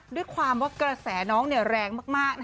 ด้วยความว่ากระแสน้องแรงมาก